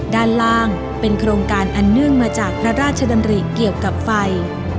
ด้านล่างเป็นโครงการอันเนื่องมาจากพระราชดำริเกี่ยวกับไฟ